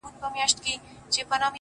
o زړه راته زخم کړه؛ زارۍ کومه؛